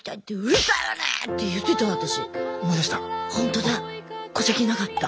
ほんとだ戸籍なかった。